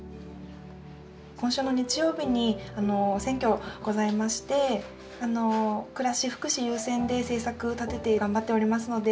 今週の日曜日に選挙ございまして暮らし福祉優先で政策立てて頑張っておりますので。